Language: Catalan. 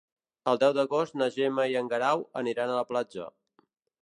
El deu d'agost na Gemma i en Guerau aniran a la platja.